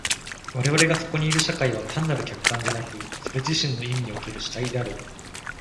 我々がそこにいる社会は単なる客観でなく、それ自身の意味における主体である。